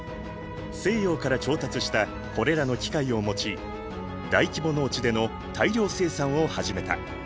西洋から調達したこれらの機械を用い大規模農地での大量生産を始めた。